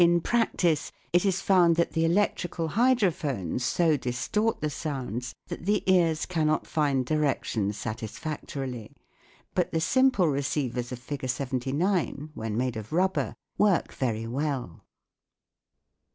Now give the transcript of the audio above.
practice it is found that the electrical hydrophones so distort the sounds that the ears cannot find direction satisfactorily, but the simple receivers of Fig. 79 when made of rubber work very well.